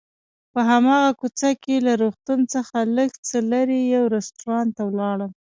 په هماغه کوڅه کې له روغتون څخه لږ څه لرې یو رستورانت ته ولاړم.